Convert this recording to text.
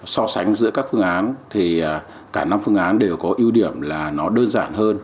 so sánh giữa các phương án cả năm phương án đều có ưu điểm là nó đơn giản